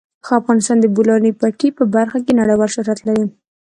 افغانستان د د بولان پټي په برخه کې نړیوال شهرت لري.